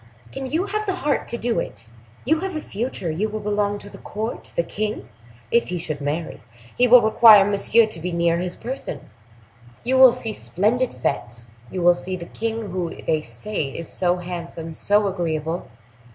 "Can you have the heart to do it? You have a future; you will belong to the court; the king, if he should marry, will require Monsieur to be near his person; you will see splendid fetes, you will see the king, who they say is so handsome, so agreeable!"